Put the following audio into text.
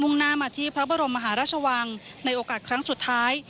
่งหน้ามาที่พระบรมมหาราชวังในโอกาสครั้งสุดท้าย